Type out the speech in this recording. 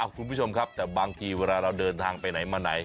คุณผู้ชมครับแต่บางทีเวลาเราเดินทางไปไหนมาไหน